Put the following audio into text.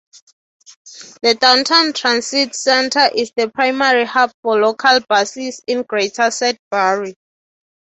The Downtown Transit Centre is the primary hub for local buses in Greater Sudbury.